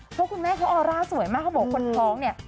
เพราะคุณแม่เขาออร่าสวยมากเขาบอกว่าคนท้องเนี่ย